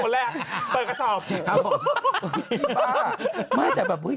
เลือกคนแรกเพิ่งกระสอบ